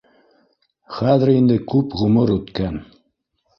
Хәҙер инде күп ғүмер үткән